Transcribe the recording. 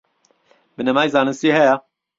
بنەمای زانستی هەیە؟